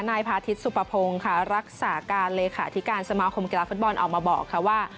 นายพาทิตยสุปพงศ์ค่ะรักษาการเลขาธิการสมาคมกีฬาฟุตบอลออกมาบอกค่ะว่า